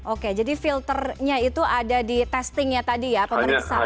oke jadi filternya itu ada di testingnya tadi ya pemeriksaan